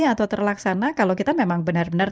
atau terlaksana kalau kita memang benar benar